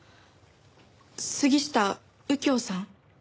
杉下右京さん？